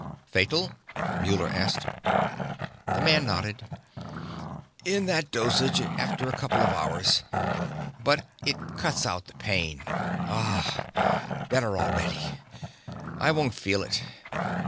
"Fatal?" Muller asked. The man nodded. "In that dosage, after a couple of hours. But it cuts out the pain ah, better already. I won't feel it.